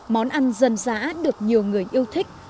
món ăn dân dã được nhiều người thích